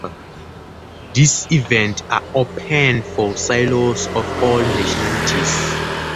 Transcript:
These events are Open for sailors of all nationalities.